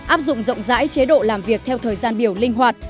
áp dụng rộng rãi chế độ làm việc theo thời gian biểu linh hoạt